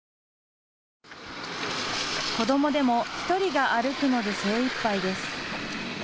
子どもでも１人が歩くので精いっぱいです。